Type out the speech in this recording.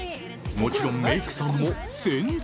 もちろんメイクさんも専属。